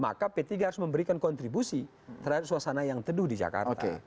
maka p tiga harus memberikan kontribusi terhadap suasana yang teduh di jakarta